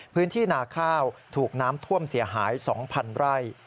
พื้นที่นาข้าวถูกน้ำท่วมเสียหาย๒๐๐๐ไร่